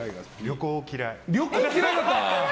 旅行嫌い。